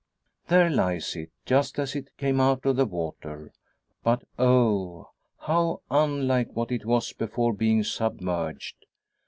There lies it, just as it came out of the water. But, oh! how unlike what it was before being submerged!